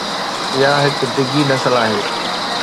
اها هڪ ڊگهي نسل آهي.